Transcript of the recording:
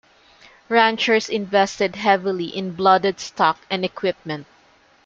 Ranchers invested heavily in blooded stock and equipment.